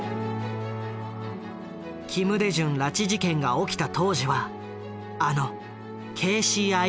金大中拉致事件が起きた当時はあのＫＣＩＡの責任者。